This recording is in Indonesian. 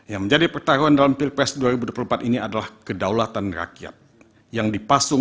yang menjadi pertaruhan dalam pilpres dua ribu dua puluh empat ini adalah kedaulatan rakyat yang dipasung